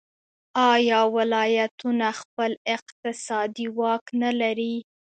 آیا ولایتونه خپل اقتصادي واک نلري؟